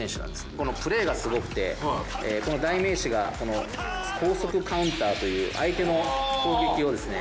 このプレーがすごくて代名詞がこの高速カウンターという相手の攻撃をですね